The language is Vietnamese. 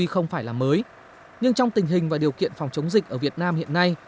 không phải là mới nhưng trong tình hình và điều kiện phòng chống dịch ở việt nam hiện nay